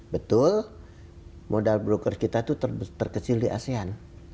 betul modal broker kita itu terkecil di asean